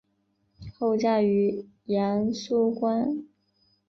后嫁于杨肃观。